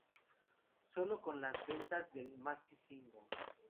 Solo con las ventas del Maxi-Single.